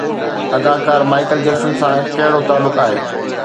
اداڪار Michael Jackson سان ڪهڙو تعلق آهي؟